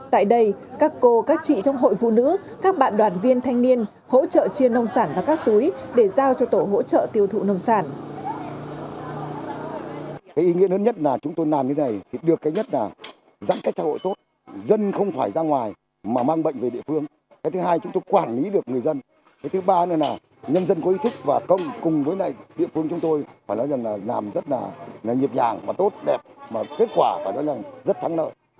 tại đây các cô các chị trong hội phụ nữ các bạn đoàn viên thanh niên hỗ trợ chia nông sản vào các túi để giao cho tổ hỗ trợ tiêu thụ nông sản